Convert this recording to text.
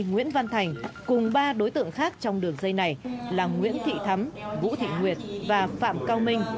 nguyễn văn thành cùng ba đối tượng khác trong đường dây này là nguyễn thị thắm vũ thị nguyệt và phạm cao minh